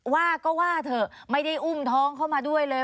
ว่าก็ว่าเถอะไม่ได้อุ้มท้องเข้ามาด้วยเลย